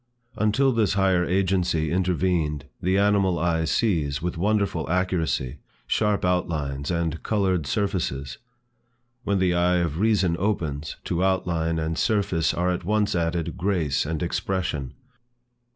Until this higher agency intervened, the animal eye sees, with wonderful accuracy, sharp outlines and colored surfaces. When the eye of Reason opens, to outline and surface are at once added, grace and expression.